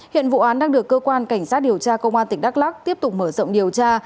hiện vụ án đang được cơ quan cảnh sát điều tra công an tỉnh đắk lắc tiếp tục mở rộng điều tra